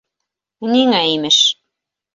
— Ниңә, имеш.